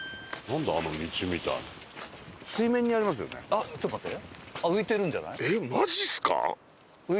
あっちょっと待って。